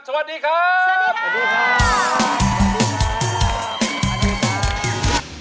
สวัสดีครับ